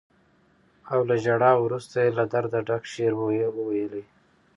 او له ژړا وروسته یې له درده ډک شعر وويلې.